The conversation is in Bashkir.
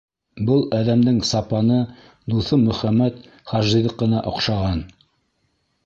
— Был әҙәмдең сапаны дуҫым Мөхәммәт хажиҙыҡына оҡшаған.